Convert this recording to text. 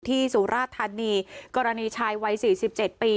ที่ศูราษฐานีกรณีชายวัย๔๗ปี